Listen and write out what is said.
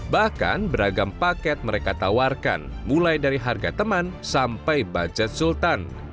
bahkan beragam paket mereka tawarkan mulai dari harga teman sampai budget sultan